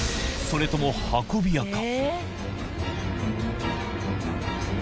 それとも運び屋か？